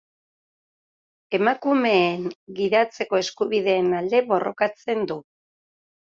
Emakumeen gidatzeko eskubideen alde borrokatzen du.